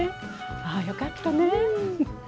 ああよかったね。